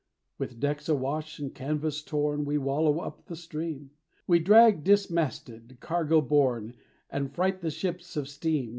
With decks awash and canvas torn We wallow up the Stream; We drag dismasted, cargo borne, And fright the ships of steam.